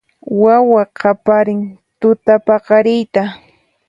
Wawa qaparin tutapaqariyta